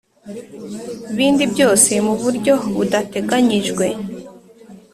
bindi byose mu buryo budateganyijwe